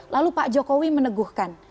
lalu pak jokowi meneguhkan